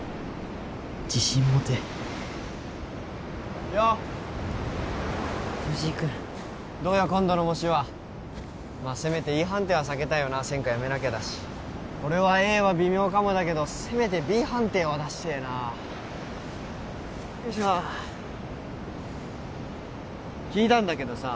自信持てよっ藤井君どうよ今度の模試はまあせめてＥ判定は避けたいよな専科やめなきゃだし俺はＡは微妙かもだけどせめてＢ判定は出してえなよいしょ聞いたんだけどさ